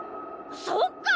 そっか！